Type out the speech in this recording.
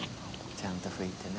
ちゃんと拭いてね。